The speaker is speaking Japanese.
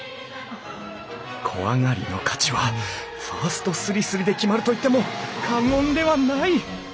小上がりの価値はファーストすりすりで決まると言っても過言ではない！